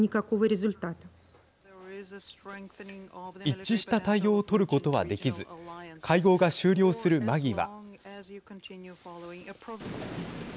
一致した対応を取ることはできず会合が終了する間際。